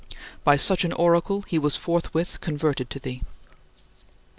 " By such an oracle he was forthwith converted to thee.